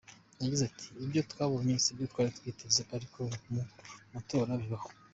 Yagize ati “Ibyo twabonye sibyo twari twiteze ariko mu matora bibaho.